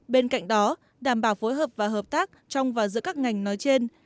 bên cạnh đó đảm bảo phối hợp và hợp tác trong và giữa các ngành nói trên